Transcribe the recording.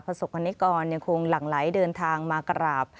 ผู้สุขกรณีกรคงหลั่งไหลเดินทางมากราบ